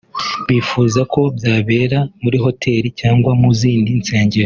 bifuza ko byabera muri Hotel cyangwa mu zindi nsengero